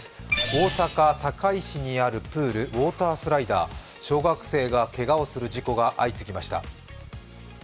大阪・堺市にあるプールウォータースライダー、小学生がけがをする事故が相次ぎました。